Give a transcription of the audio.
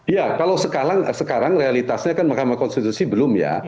ya kalau sekarang realitasnya kan mahkamah konstitusi belum ya